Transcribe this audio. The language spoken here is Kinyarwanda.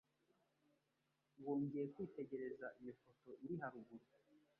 wongeye kwitegereza iyo foto iri haruguru